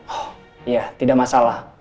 oh iya tidak masalah